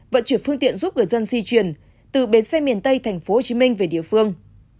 vận chuyển phương tiện giúp người dân di chuyển từ bến xe miền tây tp hcm về địa phương